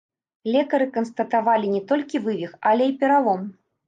Лекары канстатавалі не толькі вывіх, але і пералом.